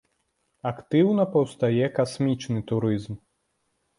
Актыўна паўстае касмічны турызм.